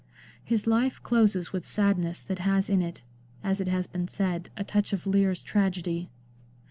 " His life closes with sadness that has in it, as it has been said, a touch of Lear's tragedy.